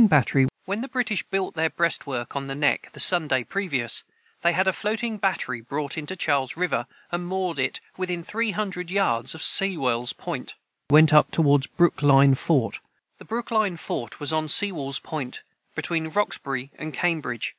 [Footnote 142: When the British built their breastwork on the neck, the Sunday previous, they had a floating battery brought into Charles river, and moored it within three hundred yards of Sewall's point.] [Footnote 143: The Brookline fort was on Sewall's point, between Roxbury and Cambridge.